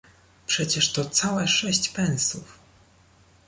Przecież to całe sześć pensów.